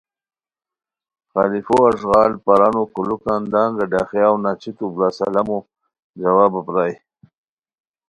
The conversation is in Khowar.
خلفو اݱغال برانو کھولوکان دانگہ ڈاخیاؤ نا چیتو بڑا سلامو جوابو پرائے